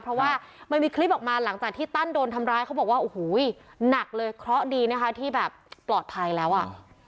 เพราะว่ามันมีคลิปออกมาหลังจากที่ตั้นโดนทำร้ายเขาบอกว่าโอ้โหหนักเลยเคราะห์ดีนะคะที่แบบปลอดภัยแล้วอ่ะ